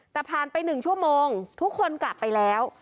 แต่ผ่านไป๑ชั่วโมงทุกคนกลับไปแล้ว